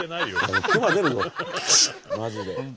マジで。